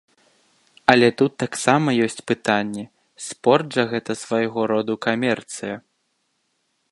Але тут таксама ёсць пытанні, спорт жа гэта свайго роду камерцыя.